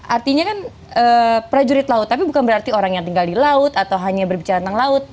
artinya kan prajurit laut tapi bukan berarti orang yang tinggal di laut atau hanya berbicara tentang laut